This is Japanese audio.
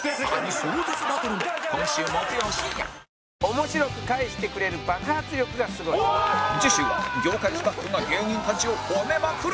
「面白く返してくれる爆発力がすごい」次週は業界スタッフが芸人たちを褒めまくる